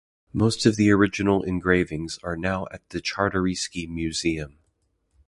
Most of the original engravings are now at the Czartoryski Museum.